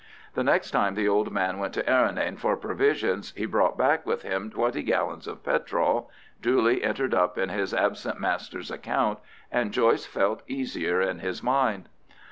The next time the old man went to Errinane for provisions, he brought back with him twenty gallons of petrol (duly entered up in his absent master's account), and Joyce felt easier in his mind.